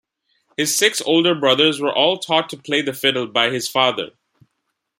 His six older brothers were all taught to play the fiddle by his father.